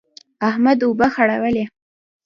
احمد اوبه خړولې.